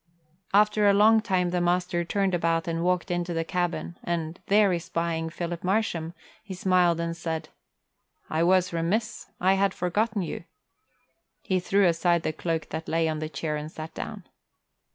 After a long time the master turned about and walked into the cabin and, there espying Philip Marsham, he smiled and said, "I was remiss. I had forgotten you." He threw aside the cloak that lay on the chair and sat down.